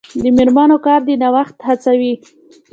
د میرمنو کار د نوښت هڅوي.